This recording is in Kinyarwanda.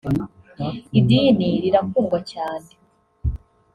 Idini rirakundwa cyane